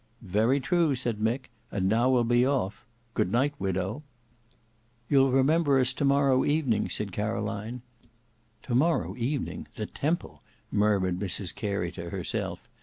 "Very true," said Mick; "and now we'll be off. Good night, widow." "You'll remember us to morrow evening," said Caroline. "To morrow evening! The Temple!" murmured Mrs Carey to herself.